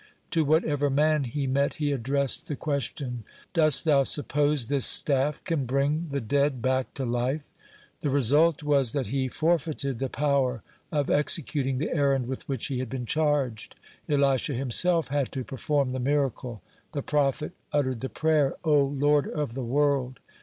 To whatever man he met he addressed the questions: "Dost thou suppose this staff can bring the dead back to life?" The result was that he forfeited the power of executing the errand with which he had been charged. Elisha himself had to perform the miracle. The prophet uttered the prayer: "O Lord of the world!